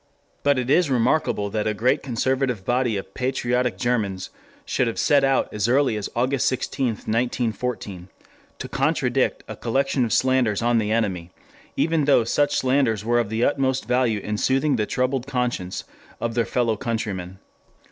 But it is remarkable that a great conservative body of patriotic Germans should have set out as early as August 16, 1914, to contradict a collection of slanders on the enemy, even though such slanders were of the utmost value in soothing the troubled conscience of their fellow countrymen.